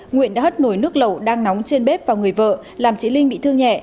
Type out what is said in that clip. nguyễn đã hất nổi nước lẩu đang nóng trên bếp vào người vợ làm chị linh bị thương nhẹ